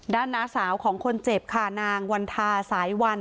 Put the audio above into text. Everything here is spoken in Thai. น้าสาวของคนเจ็บค่ะนางวันทาสายวัน